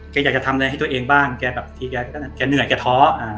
อยากจะทำอะไรให้ตัวเองบ้างแกแบบทีแกก็แกเหนื่อยแกท้อ